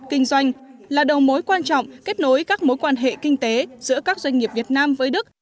kinh doanh là đầu mối quan trọng kết nối các mối quan hệ kinh tế giữa các doanh nghiệp việt nam với đức